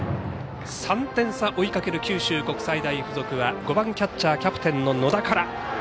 ３点差、追いかける九州国際大付属は５番キャッチャーキャプテンの野田から。